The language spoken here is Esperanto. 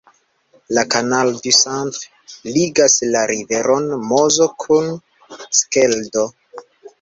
La "Canal du Centre" ligas la riveron Mozo kun Skeldo.